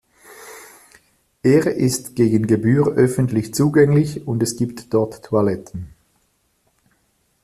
Er ist gegen Gebühr öffentlich zugänglich und es gibt dort Toiletten.